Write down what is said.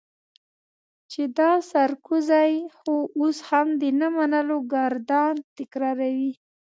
چې دا سرکوزی خو اوس هم د نه منلو ګردان تکراروي.